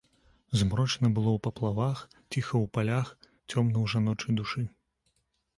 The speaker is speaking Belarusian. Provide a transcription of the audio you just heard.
Змрочна было ў паплавах, ціха ў палях, цёмна ў жаночай душы.